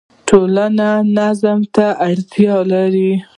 ټولنه نظم ته اړتیا لري.